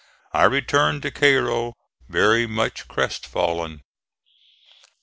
I returned to Cairo very much crestfallen.